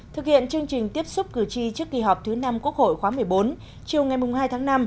thực hiện chương trình tiếp xúc cử tri trước kỳ họp thứ năm quốc hội khóa một mươi bốn chiều ngày hai tháng năm